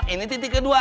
ini titiknya dua